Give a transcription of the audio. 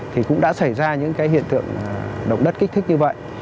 thì cũng đã xảy ra những cái hiện tượng động đất kích thích như vậy